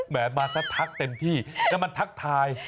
มาสักทักเต็มที่แล้วมันทักทาย